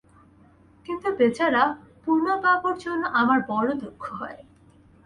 কিন্তু বেচারা পূর্ণবাবুর জন্যে আমার বড়ো দুঃখ হয়।